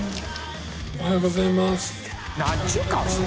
おはようございます。